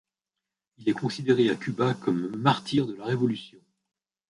Il est considéré à Cuba comme martyr de la révolution.